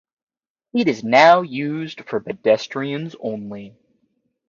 It is now used for pedestrians only.